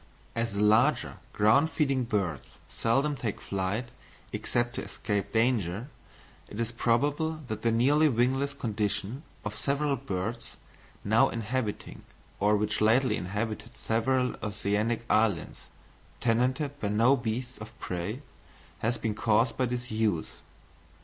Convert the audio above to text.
As the larger ground feeding birds seldom take flight except to escape danger, it is probable that the nearly wingless condition of several birds, now inhabiting or which lately inhabited several oceanic islands, tenanted by no beasts of prey, has been caused by disuse.